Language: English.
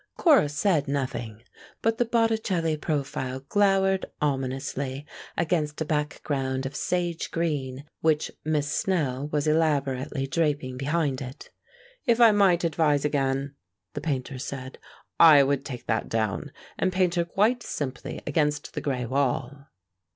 Cora said nothing, but the Botticelli profile glowered ominously against a background of sage green which Miss Snell was elaborately draping behind it. "If I might advise again," the Painter said, "I would take that down and paint her quite simply against the gray wall."